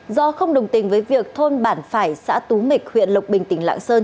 do không đồng tình với việc thôn bản phải xã tú mịch huyện lộc bình tỉnh lạng sơn